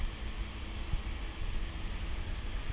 ส่วนข้อมีการหรือเปล่า